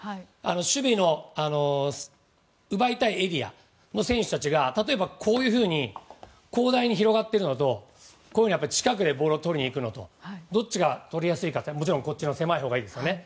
守備の奪いたいエリアの選手たちが例えば、こういうふうに広大に広がっているのと近くでボールを取りにいくのとどっちがとりやすいかってもちろん狭いほうがいいですよね。